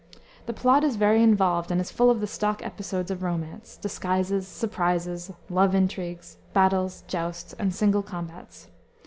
The plot is very involved and is full of the stock episodes of romance: disguises, surprises, love intrigues, battles, jousts and single combats.